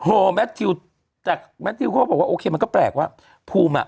แมททิวแต่แมททิวเขาก็บอกว่าโอเคมันก็แปลกว่าภูมิอ่ะ